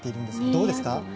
どうですか。